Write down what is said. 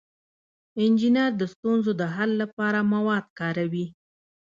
انجینر د ستونزو د حل لپاره مواد کاروي.